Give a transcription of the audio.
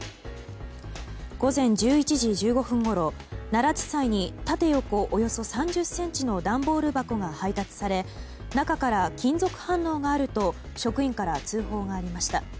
午前１１時１５分ごろ奈良地裁に縦横およそ３０ｃｍの段ボール箱が配達され中から金属反応があると職員から通報がありました。